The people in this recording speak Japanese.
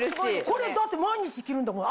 これだって毎日着るんだもん